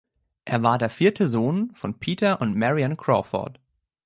Er war der vierte Sohn von Peter und Mary Ann Crawford.